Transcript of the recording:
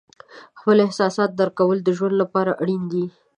خپل احساسات درک کول د ژوند لپاره اړین دي.